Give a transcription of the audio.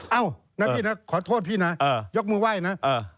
เอ้าขอโทษพี่นะยกมือไหวนะ